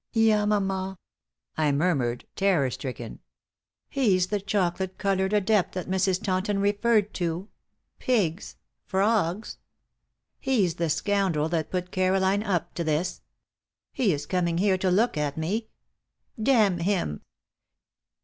"Yamama!" I murmured, terror stricken. "He's the chocolate colored adept that Mrs. Taunton referred to. Pigs! Frogs! He's the scoundrel that put Caroline up to this. He is coming here to look at me! Damn him!"